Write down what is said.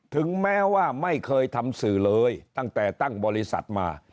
ถึงแม้ว่าไม่เคยทำสื่อเลยตั้งแต่ตั้งบริษัทมา